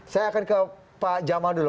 saya akan ke pak jamal dulu